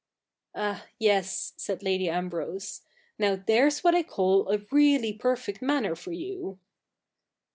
'Ah yes,' said Lady Ambrose . 'Now, there's what I call a really perfect manner for you.'